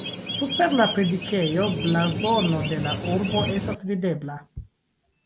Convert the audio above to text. Super la predikejo blazono de la urbo estas videbla.